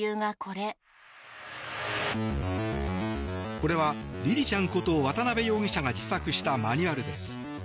これは、りりちゃんこと渡邊容疑者が自作したマニュアルです。